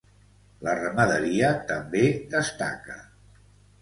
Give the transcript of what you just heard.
La ramaderia també destaca.